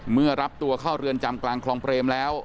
เมื่อรับตัวเข้าเรือนจำกลางคลองเปรมแล้ว